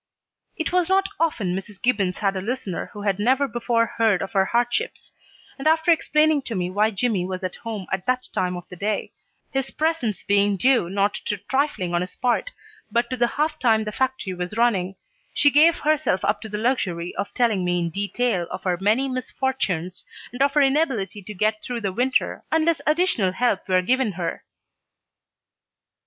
It was not often Mrs. Gibbons had a listener who had never before heard of her hardships, and after explaining to me why Jimmy was at home at that time of the day, his presence being due not to trifling on his part, but to the half time the factory was running, she gave herself up to the luxury of telling me in detail of her many misfortunes and of her inability to get through the winter unless additional help were given her.